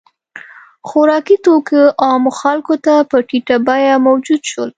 • خوراکي توکي عامو خلکو ته په ټیټه بیه موجود شول.